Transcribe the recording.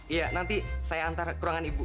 iya nanti saya antar ke ruangan ibu